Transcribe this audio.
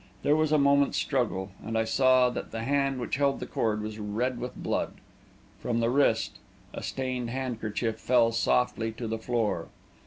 There was a moment's struggle, and I saw that the hand which held the cord was red with blood. From the wrist, a stained handkerchief fell softly to the floor.